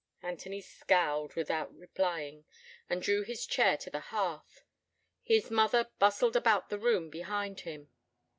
Anthony scowled, without replying, and drew his chair to the hearth. His mother bustled about the room behind him.